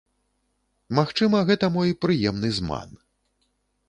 Магчыма, гэта мой прыемны зман.